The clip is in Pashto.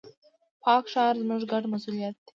پاک ښار، زموږ ګډ مسؤليت دی.